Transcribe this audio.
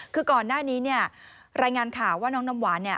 คือก่อนหน้านี้เนี่ยรายงานข่าวว่าน้องน้ำหวานเนี่ย